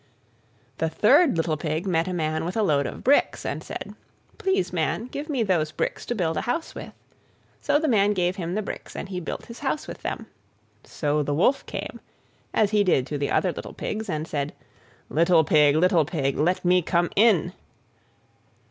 The third little Pig met a Man with a load of bricks, and said, "Please, Man, give me those bricks to build a house with"; so the Man gave him the bricks, and he built his house with them. So the Wolf came, as he did to the other little Pigs, and said, "Little Pig, little Pig, let me come in."